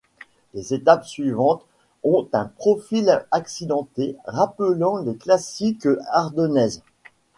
Les étapes suivantes ont un profil accidenté, rappelant les classiques ardennaises.